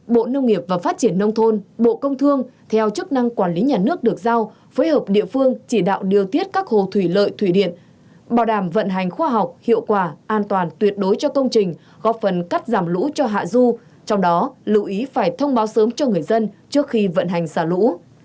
bộ nông nghiệp và phát triển nông thôn bộ công thương theo chức năng quản lý nhà nước được giao phối hợp địa phương chỉ đạo điều tiết các hồ thủy lợi thủy điện bảo đảm vận hành khoa học hiệu quả an toàn tuyệt đối cho công trình góp phần cắt giảm lũ cho hạ du trong đó lưu ý phải thông báo sớm cho người dân trước khi vận hành xả lũ